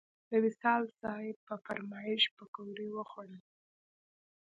د وصال صیب په فرمایش پکوړې وخوړل.